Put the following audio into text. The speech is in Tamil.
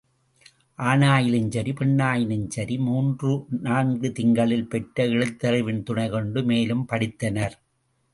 ஆணாயினும் சரி, பெண்ணயினும் சரி, மூன்று நான்கு திங்களில் பெற்ற எழுத்தறிவின் துணை கொண்டு மேலும் படித்தனர்.